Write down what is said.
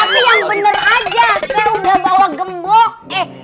saya udah bawa gembok eh